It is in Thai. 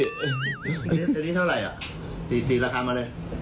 อันนี้เท่าไรหรือถีกราคามาเลย